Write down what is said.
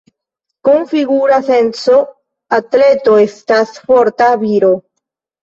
Kun figura senco, atleto estas forta viro.